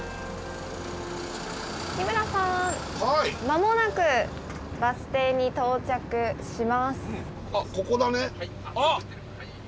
間もなくバス停に到着します。